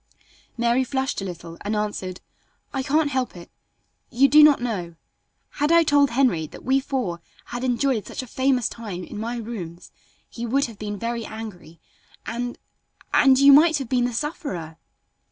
Mary flushed a little and answered, "I can't help it. You do not know. Had I told Henry that we four had enjoyed such a famous time in my rooms he would have been very angry, and and you might have been the sufferer."